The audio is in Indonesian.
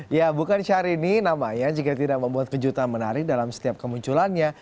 ya bukan syahrini namanya jika tidak membuat kejutan menarik dalam setiap kemunculannya